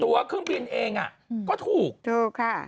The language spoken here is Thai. ตัวเครื่องบินเองก็ถูกถูกค่ะ